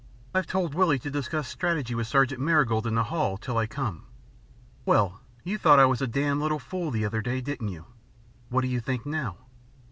I've told Willie to discuss strategy with Sergeant Marigold in the hall, till I come. Well you thought I was a damn little fool the other day, didn't you? What do you think now?"